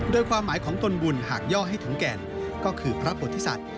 โดยความหมายของตนบุญหากย่อให้ถึงแก่นก็คือพระโพธิสัตว